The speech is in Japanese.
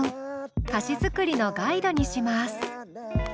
歌詞作りのガイドにします。